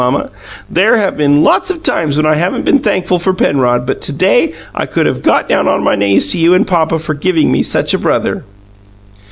Mamma, there have been lots of times when I haven't been thankful for Penrod, but to day I could have got down on my knees to you and papa for giving me such a brother!"